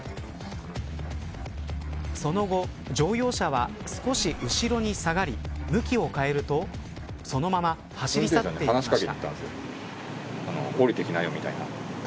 その後、乗用車は少し後ろに下がり向きを変えるとそのまま走り去っていきました。